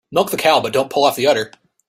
Milk the cow but don't pull off the udder.